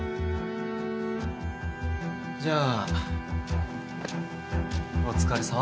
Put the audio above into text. じゃあお疲れさま。